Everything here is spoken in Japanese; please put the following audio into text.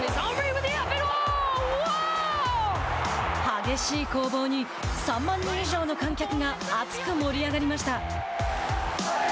激しい攻防に３万人以上の観客が熱く盛り上がりました。